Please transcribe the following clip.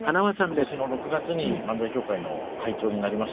今年の６月に漫才協会の会長になりまして。